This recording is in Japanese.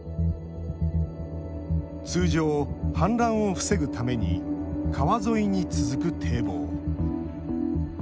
通常、氾濫を防ぐために川沿いに続く堤防。